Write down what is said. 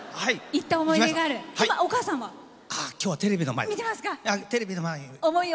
今日はテレビの前。